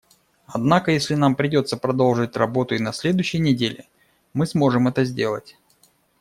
Однако если нам придется продолжить работу и на следующей неделе, мы сможем это сделать.